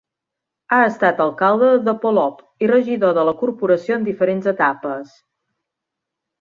Ha estat alcalde de Polop i regidor de la corporació en diferents etapes.